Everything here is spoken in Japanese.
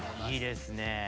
いいですね。